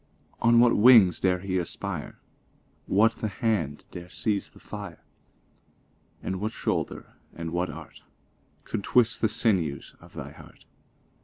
On what wings dare he aspire? What the hand dare sieze the fire? And what shoulder, & what art, Could twist the sinews of thy heart?